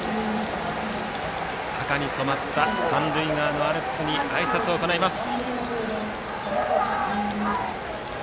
赤に染まった三塁側のアルプスにあいさつを行います。